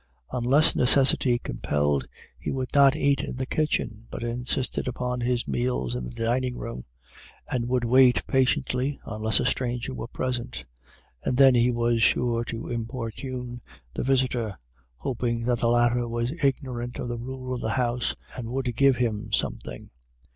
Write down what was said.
Unless necessity compelled, he would not eat in the kitchen, but insisted upon his meals in the dining room, and would wait patiently, unless a stranger were present; and then he was sure to importune the visitor, hoping that the latter was ignorant of the rule of the house, and would give him something.